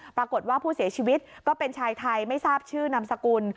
ปรากฏว่าผู้เสียชีวิตก็เป็นชายไทยไม่ทราบชื่อนามสกุล